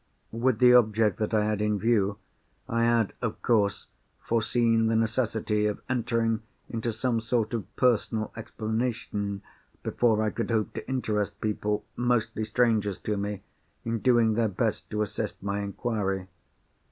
With the object that I had in view, I had of course foreseen the necessity of entering into some sort of personal explanation, before I could hope to interest people, mostly strangers to me, in doing their best to assist my inquiry.